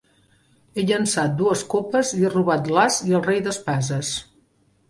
He llençat dues copes i he robat l'as i el rei d'espases.